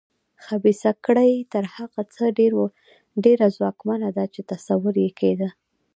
خبیثه کړۍ تر هغه څه ډېره ځواکمنه ده چې تصور یې کېده.